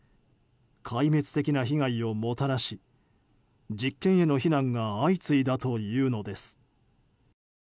壊滅的な被害をもたらし実験への非難が相次いだというのです。